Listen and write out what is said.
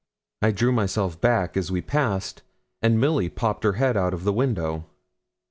I drew myself back as we passed, and Milly popped her head out of the window.